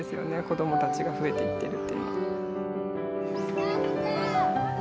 子どもたちが増えていってるというのは。